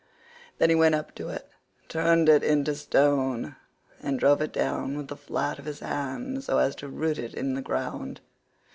Then he went up to it, turned it into stone, and drove it down with the flat of his hand so as to root it in the ground.